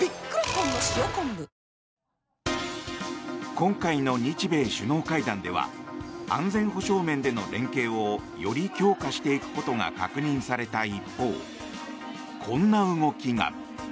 今回の日米首脳会談では安全保障面での連携をより強化していくことが確認された一方、こんな動きが。